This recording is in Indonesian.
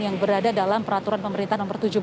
yang berada dalam peraturan pemerintah nomor tujuh belas